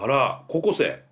高校生？